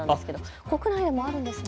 国内でもあるんですね。